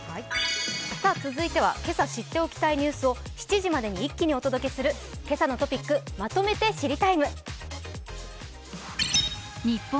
今朝知っておきたいニュースを７時までに一気にお届けする今朝のトピック、「まとめて知りＴＩＭＥ，」。